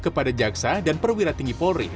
kepada jaksa dan perwira tinggi polri